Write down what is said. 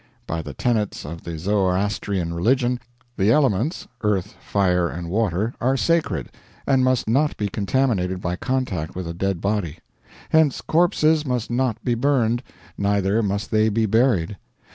By the tenets of the Zoroastrian religion, the elements, Earth, Fire, and Water, are sacred, and must not be contaminated by contact with a dead body. Hence corpses must not be burned, neither must they be buried.